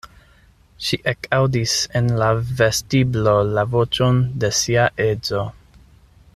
Ŝi ekaŭdis en la vestiblo la voĉon de sia edzo.